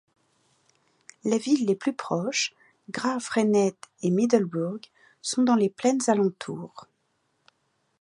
Les villes les plus proches, Graaff-Reinet et Middelburg, sont dans les plaines alentour.